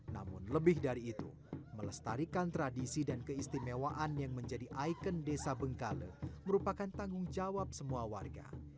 namun lebih dari itu melestarikan tradisi dan keistimewaan yang menjadi ikon desa bengkale merupakan tanggung jawab semua warga